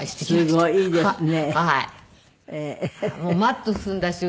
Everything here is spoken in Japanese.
すごいですね。